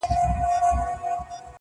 د رڼا لمن خپره سي بیا تیاره سي؛